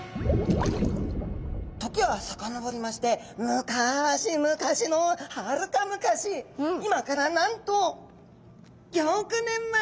時はさかのぼりまして昔々のはるか昔今からなんと５億年前。